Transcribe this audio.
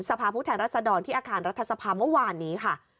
สภาพุทธแห่งรัฐสดรที่อาคารรัฐสภาเมื่อวานนี้ค่ะ